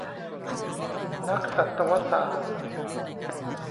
นักสัตวศาสตร์